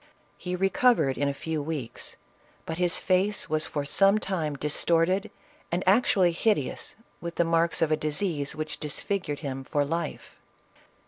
He recovered in a few weeks, but his face was for some time distorted and actually hideous with the marks of a disease which dis figured him for life.